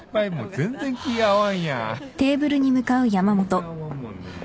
全然合わんもんね。